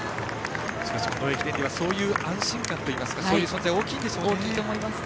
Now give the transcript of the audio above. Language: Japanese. しかし駅伝ではそういう安心感といいますかそういう存在は大きいですよね。